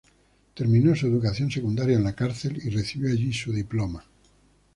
Terminó su educación secundaria en la cárcel y recibió allí su diploma.